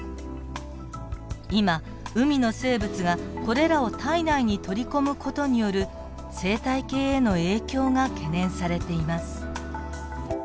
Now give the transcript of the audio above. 今海の生物がこれらを体内に取り込む事による生態系への影響が懸念されています。